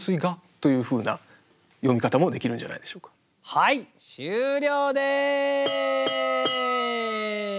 はい終了です！